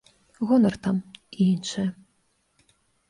Гонар там і іншае.